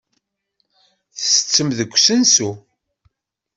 Ttetten deg usensu.